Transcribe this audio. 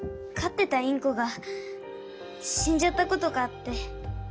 てたインコがしんじゃったことがあって。